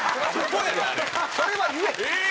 それは言え！